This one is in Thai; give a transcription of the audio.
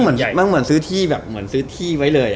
มันมันเหมือนซื้อที่แบบเหมือนซื้อที่ไว้เลยอ่ะ